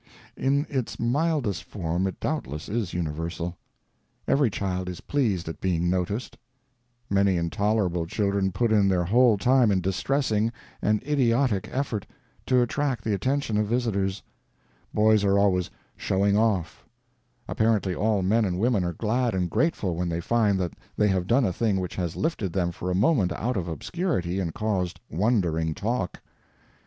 In its mildest form it doubtless is universal. Every child is pleased at being noticed; many intolerable children put in their whole time in distressing and idiotic effort to attract the attention of visitors; boys are always "showing off"; apparently all men and women are glad and grateful when they find that they have done a thing which has lifted them for a moment out of obscurity and caused wondering talk.